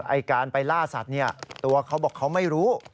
ไอ้การไปล่าสัตว์เนี่ยตัวเขาบอกเขาไม่รู้